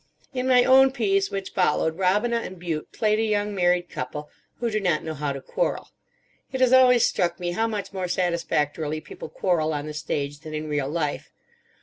In my own piece, which followed, Robina and Bute played a young married couple who do not know how to quarrel. It has always struck me how much more satisfactorily people quarrel on the stage than in real life.